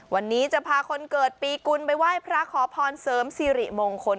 วันนี้จะพาคนเกิดปีกุลไปไหว้พระขอพรเสริมสิริมงคล